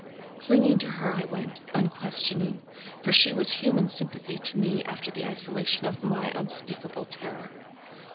Clinging to her I went; unquestioning for she was human sympathy to me after the isolation of my unspeakable terror.